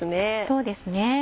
そうですね